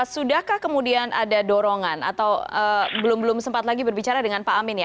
sudahkah kemudian ada dorongan atau belum belum sempat lagi berbicara dengan pak amin ya